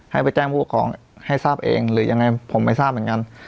ให้ไปแจ้งผู้ปกครองให้ทราบเองหรือยังไงผมไม่ทราบเหมือนกัน